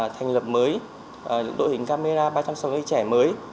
thành lập mới đội hình camera ba trăm sáu mươi a trẻ mới